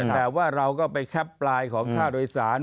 แต่ว่าเราก็ไปแคปปลายของค่าโดยสาร